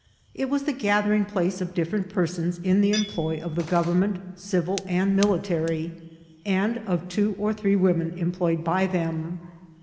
It was the gathering place of different persons in the employ of the government, civil and mil itary, and of two or three women employed by them.